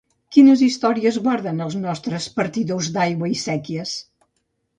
Quines històries guarden els nostres partidors d'aigua i séquies?